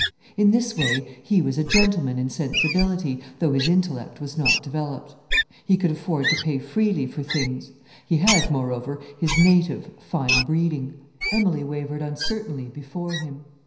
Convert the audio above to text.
In this way, he was a gentleman in sensibility, though his intellect was not developed. He could afford to pay freely for things. He had, moreover, his native, fine breeding. Emilie wavered uncertainly before him.